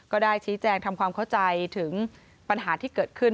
ก็ได้ชี้แจงทำความเข้าใจถึงปัญหาที่เกิดขึ้น